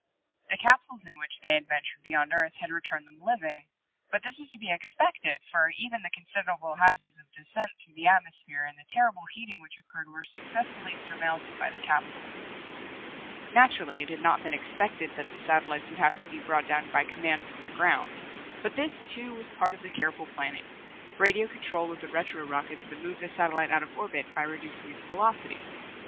The capsules in which they had ventured beyond Earth had returned them living. But this was to be expected, for even the considerable hazards of descent through the atmosphere and the terrible heating which occurred were successfully surmounted by the capsule. Naturally, it had not been expected that the satellites would have to be brought down by command from the ground. But this, too, was part of the careful planning radio control of the retro rockets that move the satellite out of orbit by reducing its velocity.